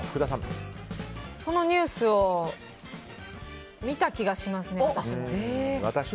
そのニュースを私も見た気がしますね。